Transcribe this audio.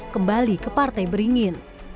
kembali ke partai beringin